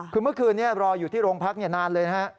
คือเมื่อคืนรออยู่ที่โรงพักน์นานเลย